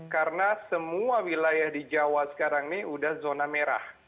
karena semua wilayah di jawa sekarang ini sudah zona merah